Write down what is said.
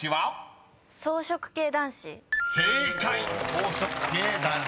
「草食系男子」